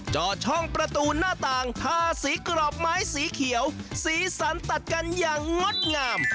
จอดช่องประตูหน้าต่างทาสีกรอบไม้สีเขียวสีสันตัดกันอย่างงดงาม